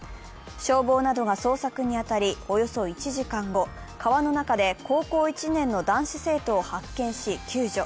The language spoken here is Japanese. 消防などが捜索に当たり、およそ１時間後、川の中で高校１年の男子生徒を発見し、救助。